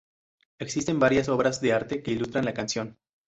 Existen varias obras de arte que ilustran la canción.